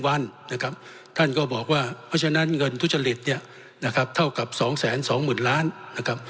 มาแค่๑วันท่านก็บอกว่าเพราะฉะนั้นเงินทุจริตเท่ากับ๒๒๐๐๐๐๐๐๐บาท